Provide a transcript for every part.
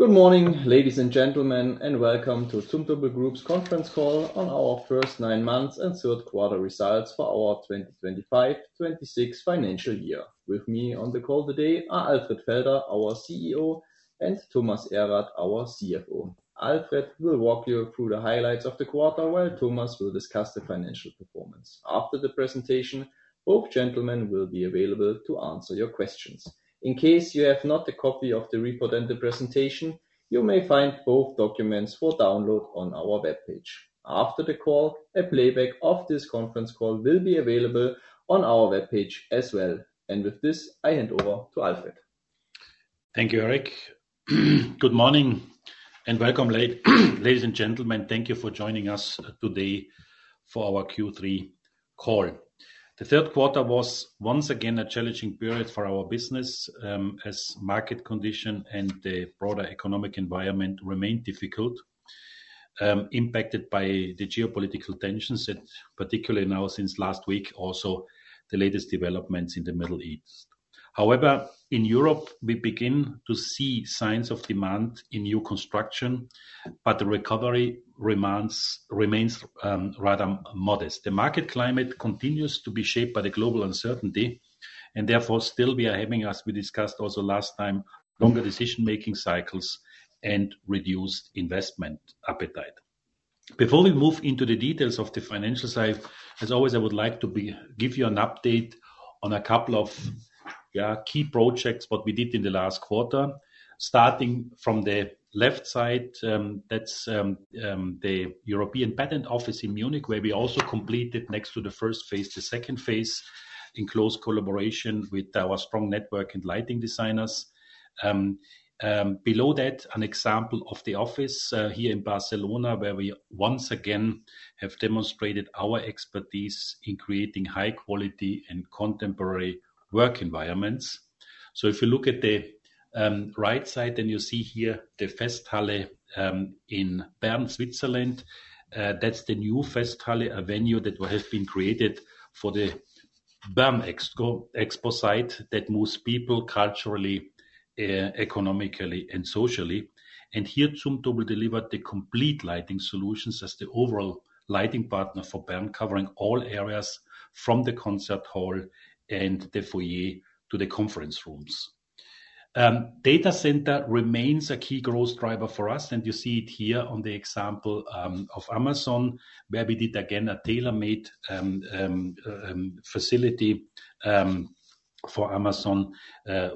Good morning, ladies and gentlemen, welcome to Zumtobel Group's Conference Call on our First Nine Months and Third Quarter Results for our 2025/2026 Financial Year. With me on the call today are Alfred Felder, our CEO, and Thomas Erath, our CFO. Alfred will walk you through the highlights of the quarter, while Thomas will discuss the financial performance. After the presentation, both gentlemen will be available to answer your questions. In case you have not a copy of the report and the presentation, you may find both documents for download on our webpage. After the call, a playback of this conference call will be available on our webpage as well. With this, I hand over to Alfred. Thank you, Eric. Good morning and welcome ladies and gentlemen. Thank you for joining us today for our Q3 call. The third quarter was once again a challenging period for our business, as market condition and the broader economic environment remained difficult, impacted by the geopolitical tensions and particularly now since last week, also the latest developments in the Middle East. However, in Europe, we begin to see signs of demand in new construction, but the recovery remains rather modest. The market climate continues to be shaped by the global uncertainty and therefore still we are having, as we discussed also last time, longer decision-making cycles and reduced investment appetite. Before we move into the details of the financial side, as always, I would like to give you an update on a couple of, yeah, key projects, what we did in the last quarter. Starting from the left side, that's the European Patent Office in Munich, where we also completed next to the first phase, the second phase in close collaboration with our strong network and lighting designers. Below that, an example of the office here in Barcelona, where we once again have demonstrated our expertise in creating high quality and contemporary work environments. If you look at the right side, then you see here the Festhalle in Bern, Switzerland. That's the new Festhalle, a venue that has been created for the BERNEXPO, Expo site that moves people culturally, economically and socially. Here, Zumtobel delivered the complete lighting solutions as the overall lighting partner for Bern, covering all areas from the concert hall and the foyer to the conference rooms. Data center remains a key growth driver for us. You see it here on the example of Amazon, where we did again a tailor-made facility for Amazon,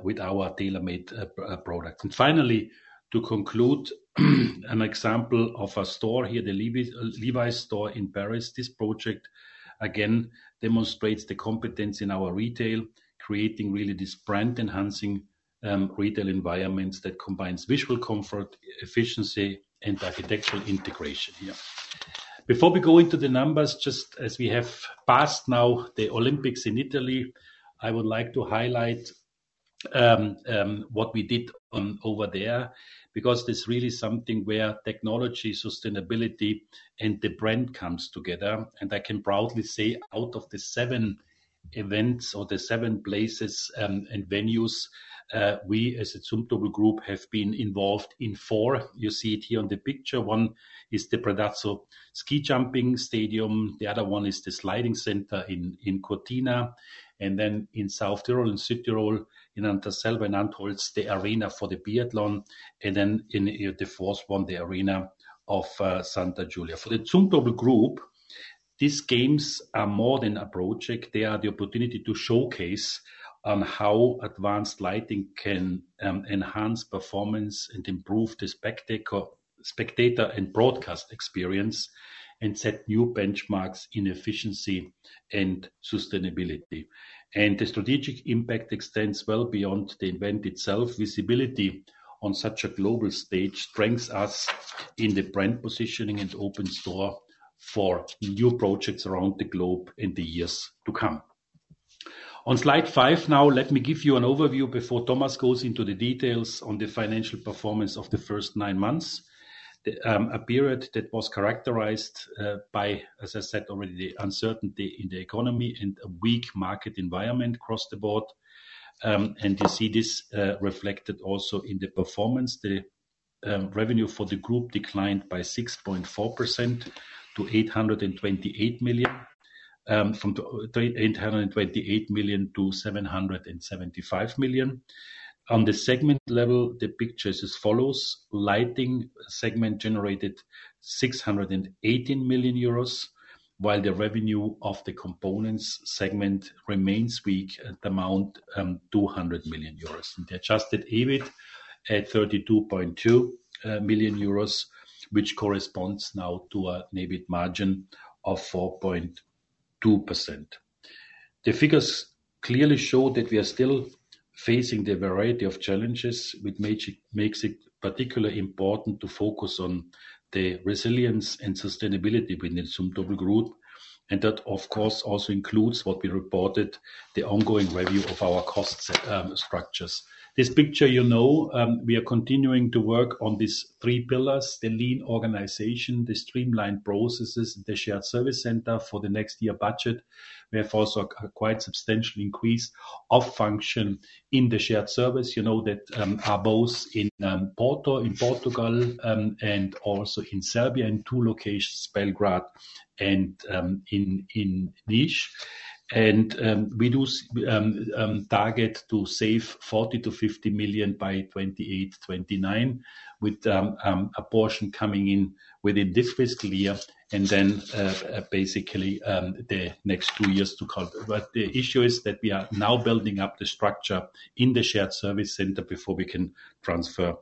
with our tailor-made product. Finally, to conclude, an example of a store here, the Levi's store in Paris. This project again demonstrates the competence in our retail, creating really this brand-enhancing retail environments that combines visual comfort, efficiency and architectural integration, yeah. Before we go into the numbers, just as we have passed now the Olympics in Italy, I would like to highlight what we did over there, because it's really something where technology, sustainability and the brand comes together. I can proudly say, out of the seven events or the seven places, and venues, we as a Zumtobel Group have been involved in four. You see it here on the picture. One is the Predazzo Ski Jumping Stadium. The other one is the Sliding Center in Cortina, and then in South Tyrol, in Südtirol, in Anterselva, Antholz, the arena for the biathlon, and then in the fourth one, the arena of Santa Giulia. For the Zumtobel Group, these games are more than a project. They are the opportunity to showcase on how advanced lighting can enhance performance and improve the spectator and broadcast experience and set new benchmarks in efficiency and sustainability. The strategic impact extends well beyond the event itself. Visibility on such a global stage strengths us in the brand positioning and opens door for new projects around the globe in the years to come. On slide five now, let me give you an overview before Thomas goes into the details on the financial performance of the first nine months. The a period that was characterized by, as I said already, the uncertainty in the economy and a weak market environment across the board. You see this reflected also in the performance. The revenue for the group declined by 6.4% to 828 million. From 828 million to 775 million. On the segment level, the picture is as follows: Lighting segment generated 680 million euros, while the revenue of the components segment remains weak at the amount, 200 million euros. The Adjusted EBIT at 32.2 million euros, which corresponds now to a EBIT margin of 4.2%. The figures clearly show that we are still facing the variety of challenges which makes it particularly important to focus on the resilience and sustainability within Zumtobel Group. That of course also includes what we reported, the ongoing review of our cost structures. This picture you know, we are continuing to work on these three pillars, the lean organization, the streamlined processes, the shared service center for the next year budget. We have also a quite substantial increase of function in the shared service. You know that, are both in Porto in Portugal, and also in Serbia in two locations, Belgrade and in Niš. We do target to save 40 million-50 million by 2028, 2029, with a portion coming in within this fiscal year and then basically the next two years to come. The issue is that we are now building up the structure in the shared service center before we can transfer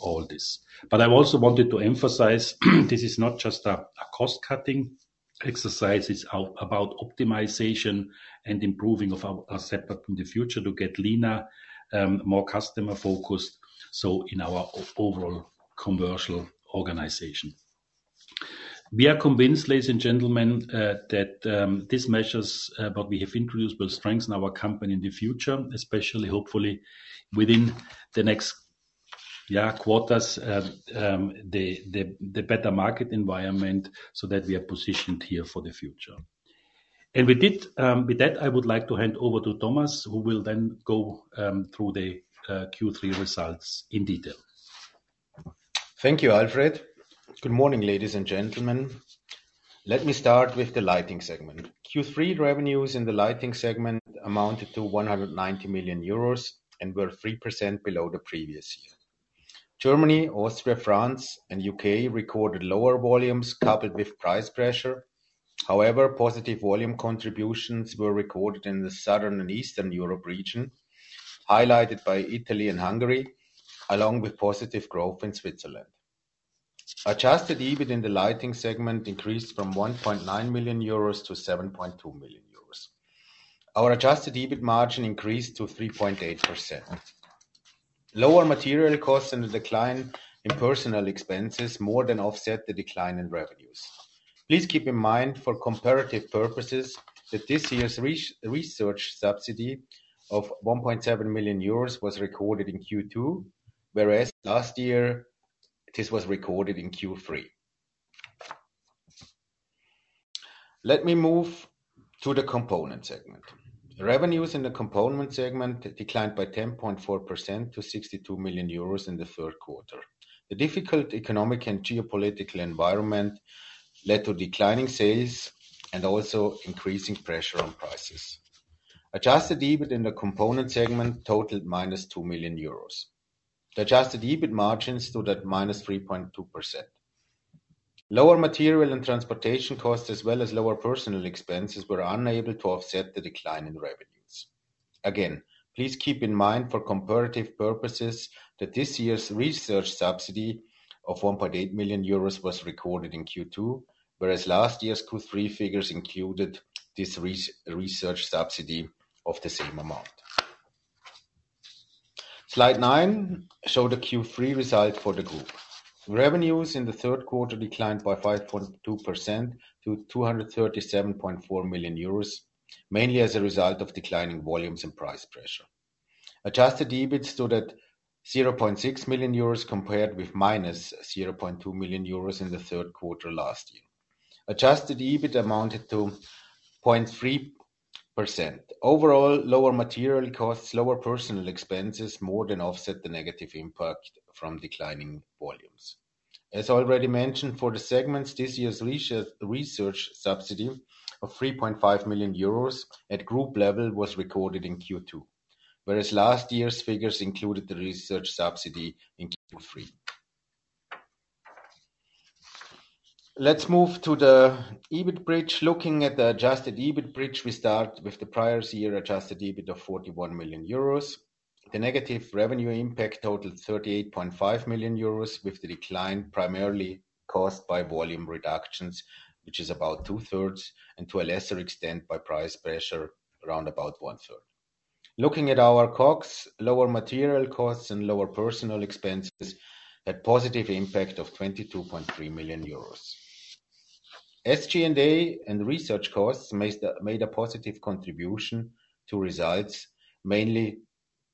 all this. I also wanted to emphasize, this is not just a cost-cutting exercise. It's about optimization and improving of our setup in the future to get leaner, more customer-focused, so in our overall commercial organization. We are convinced, ladies and gentlemen, that these measures that we have introduced will strengthen our company in the future, especially hopefully within the next, yeah, quarters, the better market environment, so that we are positioned here for the future. With it, with that, I would like to hand over to Thomas, who will then go through the Q3 results in detail. Thank you, Alfred. Good morning, ladies and gentlemen. Let me start with the Lighting segment. Q3 revenues in the Lighting segment amounted to 190 million euros and were 3% below the previous year. Germany, Austria, France, and U.K. recorded lower volumes coupled with price pressure. Positive volume contributions were recorded in the Southern and Eastern Europe region, highlighted by Italy and Hungary, along with positive growth in Switzerland. Adjusted EBIT in the Lighting segment increased from 1.9 million-7.2 million euros. Our Adjusted EBIT margin increased to 3.8%. Lower material costs and the decline in personal expenses more than offset the decline in revenues. Please keep in mind, for comparative purposes, that this year's research subsidy of 1.7 million euros was recorded in Q2, whereas last year, this was recorded in Q3. Let me move to the Component segment. Revenues in the Component segment declined by 10.4% to 62 million euros in the third quarter. The difficult economic and geopolitical environment led to declining sales and also increasing pressure on prices. Adjusted EBIT in the Component segment totaled minus 2 million euros. The Adjusted EBIT margin stood at minus 3.2%. Lower material and transportation costs, as well as lower personal expenses, were unable to offset the decline in revenues. Please keep in mind, for comparative purposes, that this year's research subsidy of 1.8 million euros was recorded in Q2, whereas last year's Q3 figures included this research subsidy of the same amount. Slide nine show the Q3 result for the group. Revenues in the third quarter declined by 5.2% to 237.4 million euros, mainly as a result of declining volumes and price pressure. Adjusted EBIT stood at 0.6 million euros, compared with -0.2 million euros in the third quarter last year. Adjusted EBIT amounted to 0.3%. Overall, lower material costs, lower personnel expenses, more than offset the negative impact from declining volumes. As already mentioned, for the segments, this year's research subsidy of 3.5 million euros at group level was recorded in Q2, whereas last year's figures included the research subsidy in Q3. Let's move to the EBIT bridge. Looking at the Adjusted EBIT bridge, we start with the prior year Adjusted EBIT of 41 million euros. The negative revenue impact totaled 38.5 million euros, with the decline primarily caused by volume reductions, which is about 2/3, and to a lesser extent, by price pressure around about 1/3. Looking at our COGS, lower material costs and lower personal expenses had positive impact of 22.3 million euros. SG&A and research costs made a positive contribution to results, mainly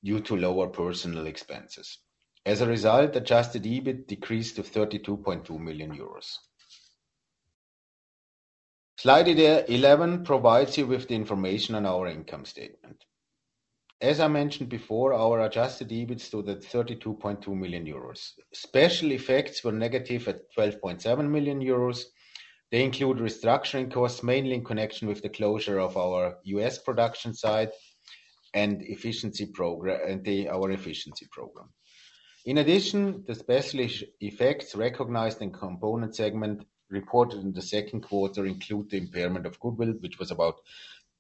due to lower personal expenses. As a result, Adjusted EBIT decreased to 32.2 million euros. Slide 11 provides you with the information on our income statement. As I mentioned before, our Adjusted EBIT stood at 32.2 million euros. Special effects were negative at 12.7 million euros. They include restructuring costs, mainly in connection with the closure of our U.S. production site and our efficiency program. In addition, the special effects recognized in Component segment reported in the second quarter include the impairment of goodwill, which was about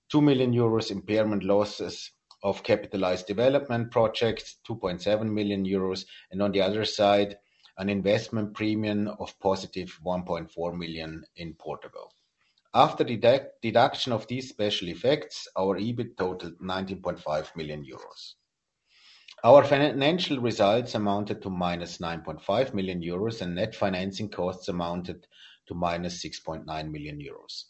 2 million euros, impairment losses of capitalized development projects, 2.7 million euros. On the other side, an investment premium of positive 1.4 million in Vorarlberg. After deduction of these special effects, our EBIT totaled 19.5 million euros. Our financial results amounted to minus 9.5 million euros, and net financing costs amounted to minus 6.9 million euros.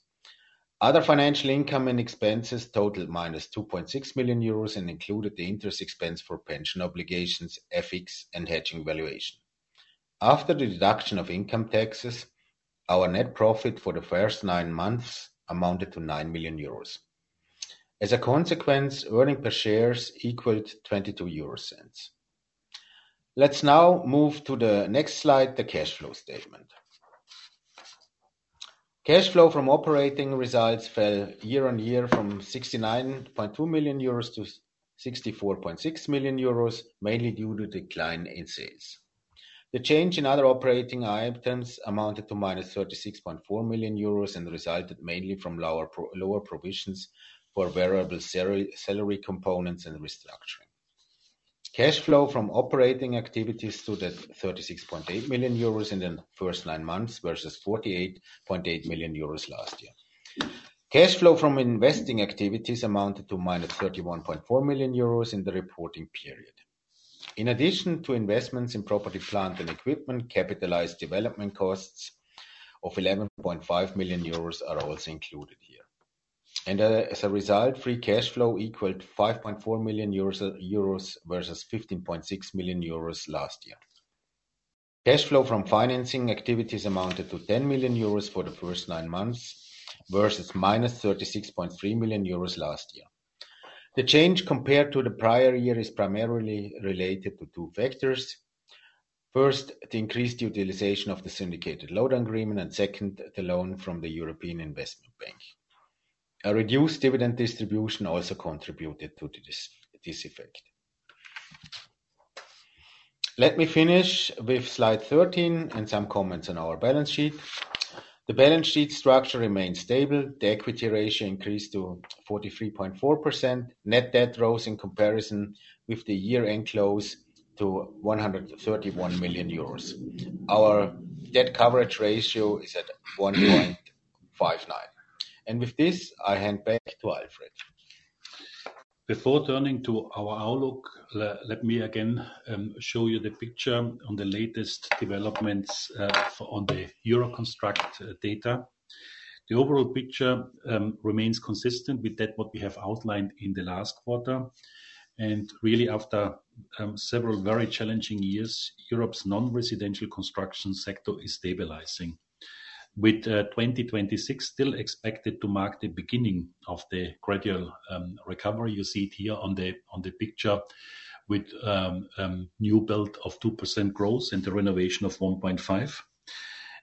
Other financial income and expenses totaled minus 2.6 million euros and included the interest expense for pension obligations, FX, and hedging valuation. After the deduction of income taxes, our net profit for the first nine months amounted to 9 million euros. As a consequence, earning per shares equaled 0.22. Let's now move to the next slide, the cash flow statement. Cash flow from operating results fell year-over-year from 69.2 million euros to 64.6 million euros, mainly due to decline in sales. The change in other operating items amounted to minus 36.4 million euros and resulted mainly from lower provisions for variable salary components and restructuring. Cash flow from operating activities stood at 36.8 million euros in the first nine months versus 48.8 million euros last year. Cash flow from investing activities amounted to minus 31.4 million euros in the reporting period. In addition to investments in property, plant and equipment, capitalized development costs of 11.5 million euros are also included here. As a result, free cash flow equaled 5.4 million euros versus 15.6 million euros last year. Cash flow from financing activities amounted to 10 million euros for the first nine months versus minus 36.3 million euros last year. The change compared to the prior year is primarily related to two factors. First, the increased utilization of the syndicated loan agreement, and second, the loan from the European Investment Bank. A reduced dividend distribution also contributed to this effect. Let me finish with slide 13 and some comments on our balance sheet. The balance sheet structure remains stable. The equity ratio increased to 43.4%. Net debt rose in comparison with the year-end close to 131 million euros. Our debt coverage ratio is at 1.59. With this, I hand back to Alfred. Before turning to our outlook, let me again show you the picture on the latest developments on the EUROCONSTRUCT data. The overall picture remains consistent with that what we have outlined in the last quarter. Really, after several very challenging years, Europe's non-residential construction sector is stabilizing. With 2026 still expected to mark the beginning of the gradual recovery. You see it here on the picture with new build of 2% growth and the renovation of 1.5%.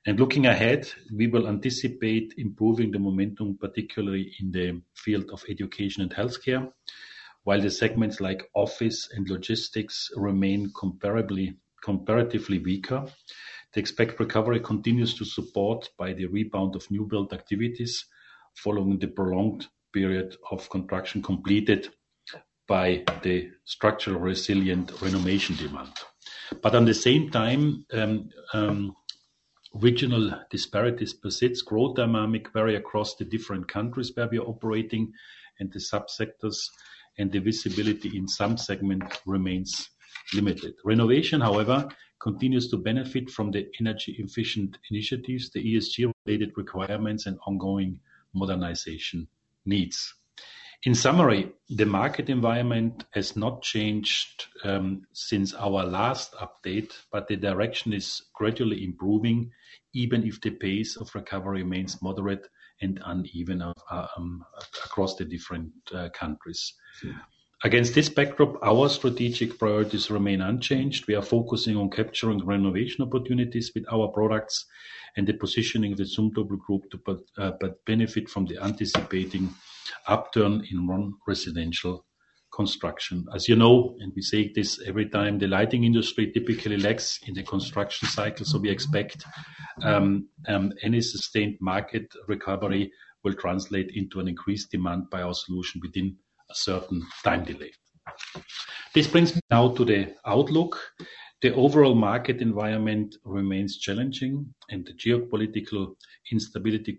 Looking ahead, we will anticipate improving the momentum, particularly in the field of education and healthcare. While the segments like office and logistics remain comparatively weaker. The expected recovery continues to support by the rebound of new build activities following the prolonged period of construction completed by the structural resilient renovation demand. At the same time, regional disparities persists. Growth dynamic vary across the different countries where we are operating and the sub-sectors, and the visibility in some segments remains limited. Renovation, however, continues to benefit from the energy-efficient initiatives, the ESG-related requirements, and ongoing modernization needs. In summary, the market environment has not changed since our last update, but the direction is gradually improving, even if the pace of recovery remains moderate and uneven across the different countries. Against this backdrop, our strategic priorities remain unchanged. We are focusing on capturing renovation opportunities with our products and the positioning of the Zumtobel Group to benefit from the anticipating upturn in non-residential construction. As you know, and we say this every time, the lighting industry typically lags in the construction cycle, so we expect any sustained market recovery will translate into an increased demand by our solution within a certain time delay. This brings me now to the outlook. The overall market environment remains challenging, and the geopolitical instability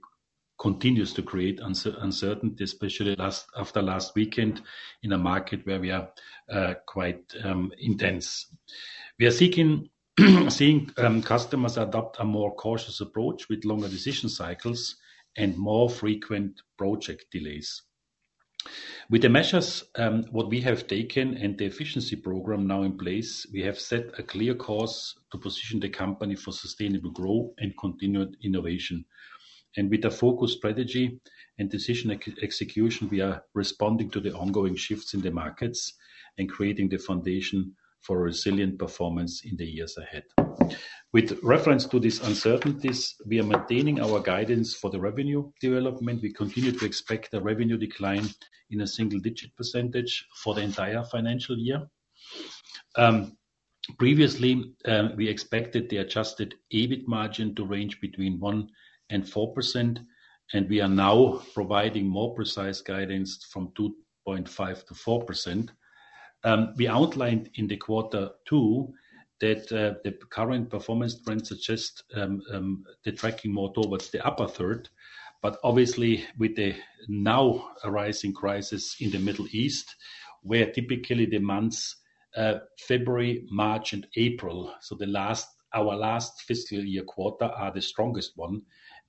continues to create uncertainty, especially after last weekend in a market where we are quite intense. We are seeing customers adopt a more cautious approach with longer decision cycles and more frequent project delays. With the measures what we have taken and the efficiency program now in place, we have set a clear course to position the company for sustainable growth and continued innovation. With a focused strategy and decision execution, we are responding to the ongoing shifts in the markets and creating the foundation for resilient performance in the years ahead. With reference to these uncertainties, we are maintaining our guidance for the revenue development. We continue to expect a revenue decline in a single-digit % for the entire financial year. Previously, we expected the Adjusted EBIT margin to range between 1% and 4%, and we are now providing more precise guidance from 2.5%-4%. We outlined in the quarter two that the current performance trends suggest the tracking more towards the upper third. Obviously with the now arising crisis in the Middle East, where typically the months, February, March and April, so our last fiscal year quarter are the strongest one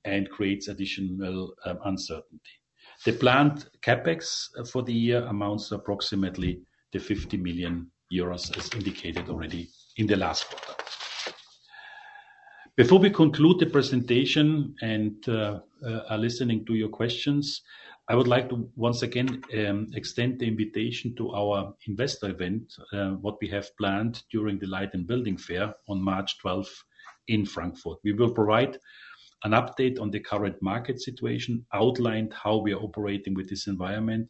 and creates additional uncertainty. The planned CapEx for the year amounts approximately to 50 million euros, as indicated already in the last quarter. Before we conclude the presentation and are listening to your questions, I would like to once again extend the invitation to our investor event, what we have planned during the Light + Building Fair on March 12th in Frankfurt. We will provide an update on the current market situation, outline how we are operating with this environment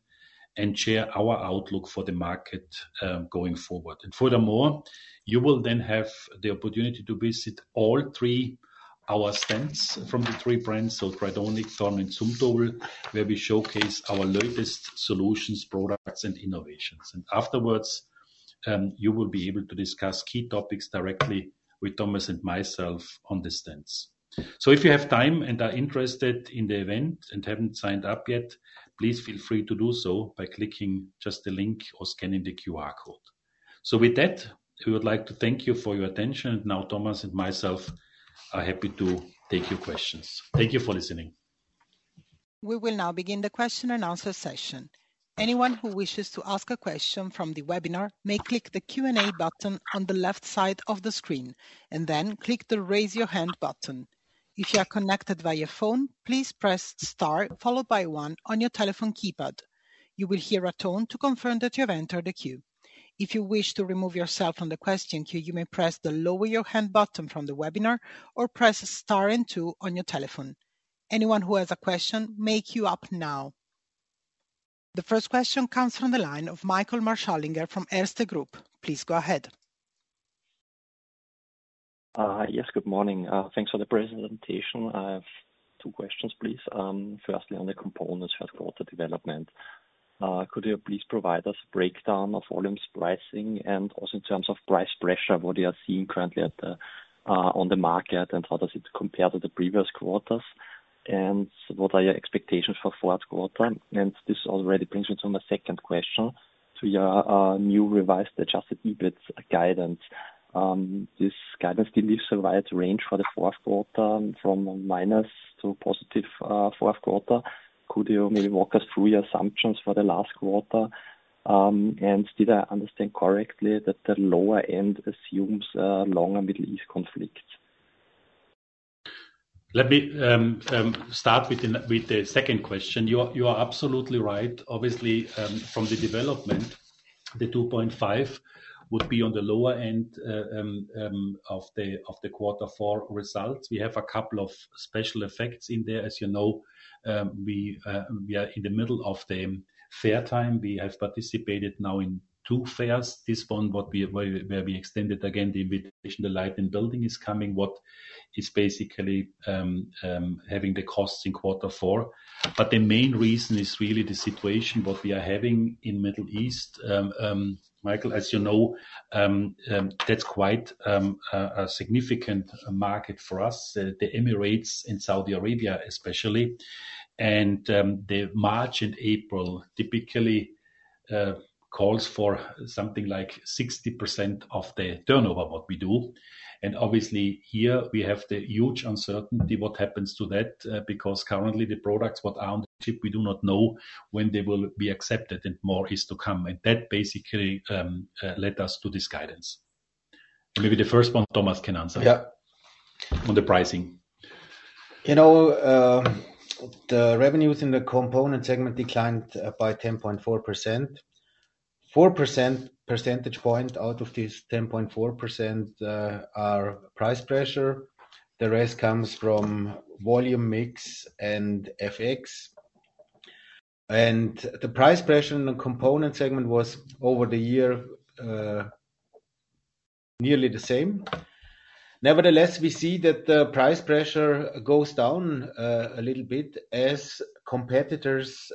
and share our outlook for the market going forward. Furthermore, you will then have the opportunity to visit our stands from the three brands, Tridonic, Thorn and Zumtobel, where we showcase our latest solutions, products and innovations. Afterwards, you will be able to discuss key topics directly with Thomas and myself on the stands. If you have time and are interested in the event and haven't signed up yet, please feel free to do so by clicking just the link or scanning the QR code. With that, we would like to thank you for your attention. Now Thomas and myself are happy to take your questions. Thank you for listening. We will now begin the question and answer session. Anyone who wishes to ask a question from the webinar may click the Q&A button on the left side of the screen and then click the Raise Your Hand button. If you are connected via phone, please press star followed by one on your telephone keypad. You will hear a tone to confirm that you have entered the queue. If you wish to remove yourself from the question queue, you may press the Lower Your Hand button from the webinar or press star and two on your telephone. Anyone who has a question may queue up now. The first question comes from the line of Michael Marschallinger from Erste Group. Please go ahead. Yes, good morning. Thanks for the presentation. I have two questions, please. Firstly, on the components first quarter development, could you please provide us breakdown of volume pricing and also in terms of price pressure, what you are seeing currently on the market, and how does it compare to the previous quarters? What are your expectations for fourth quarter? This already brings me to my second question. To your new revised Adjusted EBIT guidance. This guidance still leaves a wide range for the fourth quarter from minus to positive fourth quarter. Could you maybe walk us through your assumptions for the last quarter? Did I understand correctly that the lower end assumes a longer Middle East conflict? Let me start with the second question. You are absolutely right. Obviously, from the development, the 2.5 would be on the lower end of the quarter four results. We have a couple of special effects in there. As you know, we are in the middle of the fair time. We have participated now in two fairs. This one, where we extended again the invitation, the Light + Building is coming. What is basically having the costs in quarter four. The main reason is really the situation, what we are having in Middle East. Michael, as you know, that's quite a significant market for us, the Emirates and Saudi Arabia especially. The March and April typically calls for something like 60% of the turnover, what we do. Obviously here we have the huge uncertainty what happens to that, because currently the products, what are on the ship, we do not know when they will be accepted and more is to come. That basically led us to this guidance. Maybe the first one Thomas can answer. Yeah. On the pricing. You know, the revenues in the Component segment declined by 10.4%. 4% percentage point out of this 10.4%, are price pressure. The rest comes from volume mix and FX. The price pressure in the Component segment was over the year, nearly the same. Nevertheless, we see that the price pressure goes down a little bit as competitors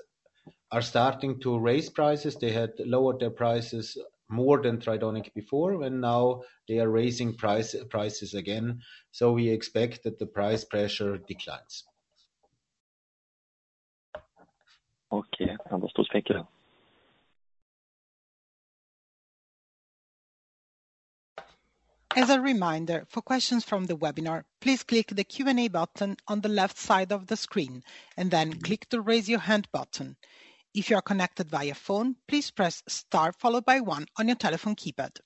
are starting to raise prices. They had lowered their prices more than Tridonic before, and now they are raising prices again. We expect that the price pressure declines. Okay. Understand. Thank you. As a reminder, for questions from the webinar, please click the Q&A button on the left side of the screen and then click the Raise Your Hand button. If you are connected via phone, please press star followed by one on your telephone keypad.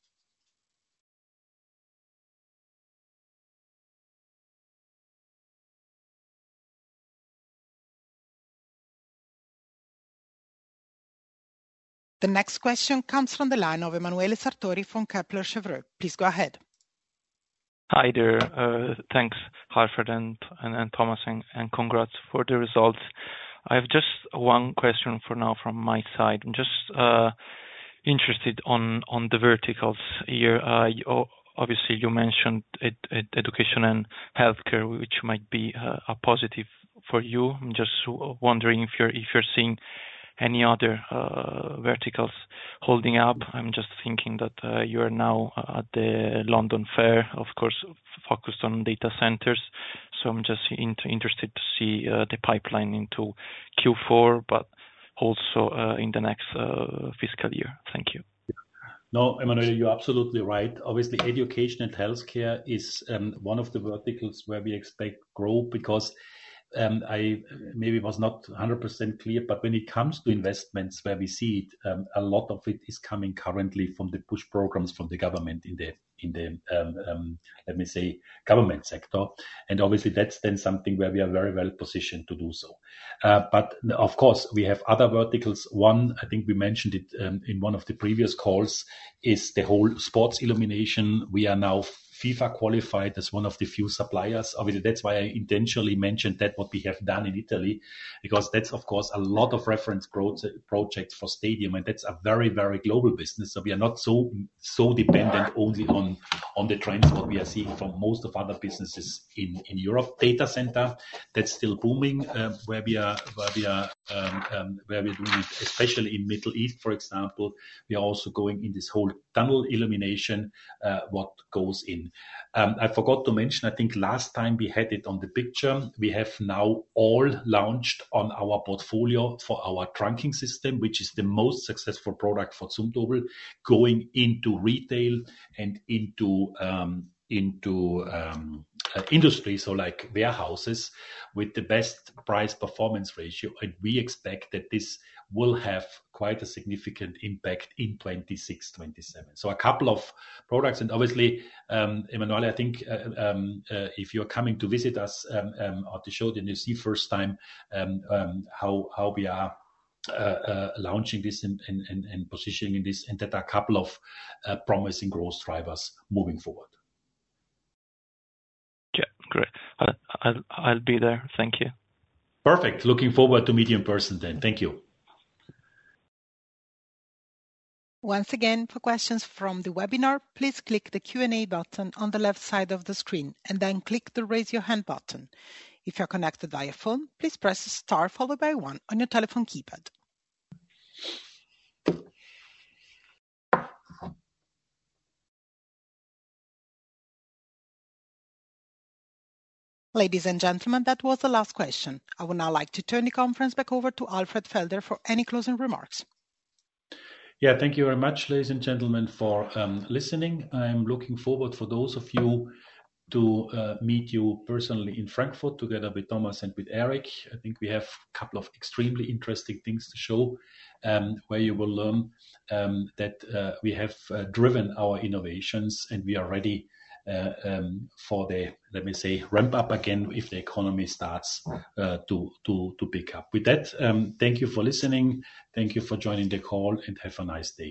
The next question comes from the line of Emanuele Sartori from Kepler Cheuvreux. Please go ahead. Hi there. Thanks, Alfred Felder and Thomas, and congrats for the results. I have just one question for now from my side. I'm just interested on the verticals here. Obviously, you mentioned education and healthcare, which might be a positive for you. I'm just wondering if you're seeing any other verticals holding up. I'm just thinking that you are now at the Data Centre World, of course, focused on data centers. I'm just interested to see the pipeline into Q4, but also in the next fiscal year. Thank you. No, Emanuel, you're absolutely right. Obviously, education and healthcare is one of the verticals where we expect growth because I maybe was not 100% clear, but when it comes to investments where we see it, a lot of it is coming currently from the push programs from the government in the, in the, let me say, government sector. Obviously that's then something where we are very well positioned to do so. Of course we have other verticals. One, I think we mentioned it in one of the previous calls, is the whole sports illumination. We are now FIFA qualified as one of the few suppliers. Obviously, that's why I intentionally mentioned that what we have done in Italy, because that's of course a lot of reference pro-projects for stadium, that's a very, very global business. We are not so dependent only on the trends what we are seeing from most of other businesses in Europe's data center, that's still booming, where we're doing, especially in Middle East, for example. We are also going in this whole tunnel illumination, what goes in. I forgot to mention, I think last time we had it on the picture. We have now all launched on our portfolio for our trunking system, which is the most successful product for Zumtobel, going into retail and into industry, so like warehouses with the best price-performance ratio. We expect that this will have quite a significant impact in 2026, 2027. A couple of products and obviously, Emanuel, I think, if you're coming to visit us at the show, then you'll see first time how we are launching this and positioning this and that are a couple of promising growth drivers moving forward. Yeah. Great. I'll be there. Thank you. Perfect. Looking forward to meet you in person then. Thank you. Once again, for questions from the webinar, please click the Q&A button on the left side of the screen and then click the Raise Your Hand button. If you're connected via phone, please press star followed by one on your telephone keypad. Ladies and gentlemen, that was the last question. I would now like to turn the conference back over to Alfred Felder for any closing remarks. Yeah. Thank you very much, ladies and gentlemen, for listening. I'm looking forward for those of you to meet you personally in Frankfurt, together with Thomas and with Eric. I think we have couple of extremely interesting things to show, where you will learn that we have driven our innovations and we are ready for the, let me say, ramp up again if the economy starts to pick up. With that, thank you for listening. Thank you for joining the call, and have a nice day.